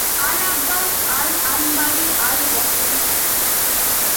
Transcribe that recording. al-Abbas আল-আনবারি al-Basri